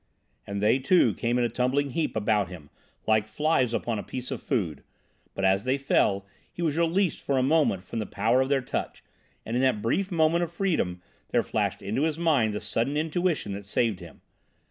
And they, too, came in a tumbling heap about him, like flies upon a piece of food, but as they fell he was released for a moment from the power of their touch, and in that brief instant of freedom there flashed into his mind the sudden intuition that saved him.